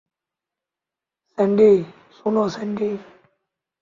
Sandy, শোনো Sandy.